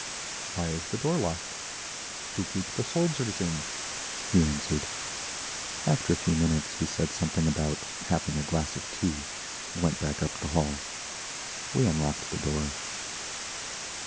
"Why is the door locked?" "To keep the soldiers in," he answered. After a few minutes he said something about having a glass of tea and went back up the hall. We unlocked the door.